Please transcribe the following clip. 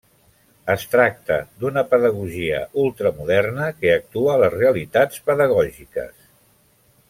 Es tracta d'una pedagogia ultramoderna que actua les realitats pedagògiques.